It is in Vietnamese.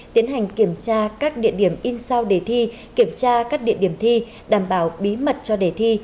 tiến hành kiểm tra các địa điểm in sao đề thi kiểm tra các địa điểm thi đảm bảo bí mật cho đề thi